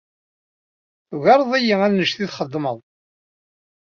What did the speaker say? Tugareḍ-iyi anect ay txedmeḍ.